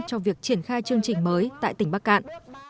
cho việc triển khai chương trình mới tại tỉnh bắc cạn